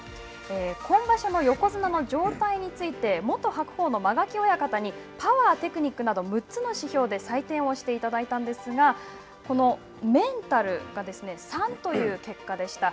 今場所の横綱の状態について元白鵬の間垣親方にパワー、テクニックなど６つの指標で採点をしていただいたんですがこのメンタルが３という結果でした。